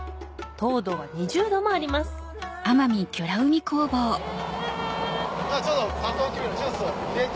糖度は２０度もありますえ！